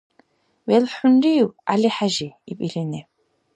— ВелхӀунрив, ГӀялихӀяжи! — иб илини.